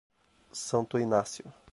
Santo Inácio